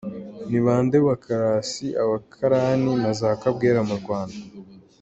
– Ni bande bakarasi, abakarani na za kabwera mu Rwanda?